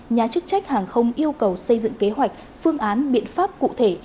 nhà chức trách hàng không yêu cầu xây dựng kế hoạch phương án biện pháp cụ thể